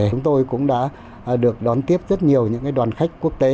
chúng tôi cũng đã được đón tiếp rất nhiều những đoàn khách quốc tế